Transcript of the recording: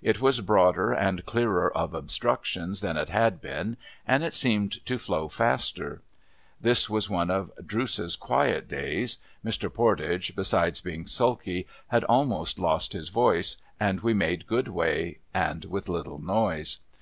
It was broader, and clearer of obstructions than it had been, and it seemed to flow faster. This was one of Drooce's quiet days ; Mr. Pordage, besides being sulky, had almost lost his voice ; and we made good way, and with little noise.